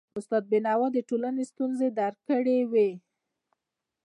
استاد بينوا د ټولنې ستونزي درک کړی وي.